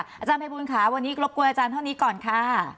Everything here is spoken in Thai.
อาจารย์ภัยบูลค่ะวันนี้รบกวนอาจารย์เท่านี้ก่อนค่ะ